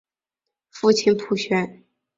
父亲浦璇。